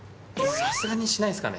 さすがにしないですかね。